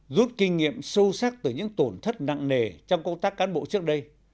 rút kinh nghiệm sâu sắc từ những tổn thất nặng nề trong công tác cán bộ trước đây